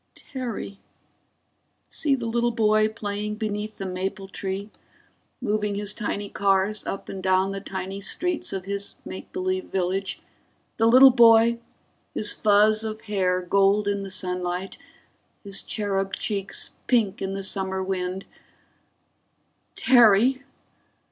_ Terry! See the little boy playing beneath the maple tree, moving his tiny cars up and down the tiny streets of his make believe village; the little boy, his fuzz of hair gold in the sunlight, his cherub cheeks pink in the summer wind _Terry!